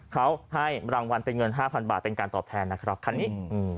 จอดแป๊บเดียวไม่ถึง๕นาที